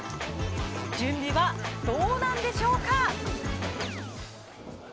準備はどうなんでしょうか。